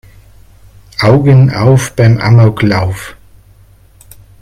Augen auf beim Amoklauf!